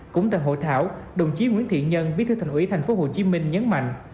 cũng tại hội thảo đồng chí nguyễn thiện nhân bí thư thành ủy tp hcm nhấn mạnh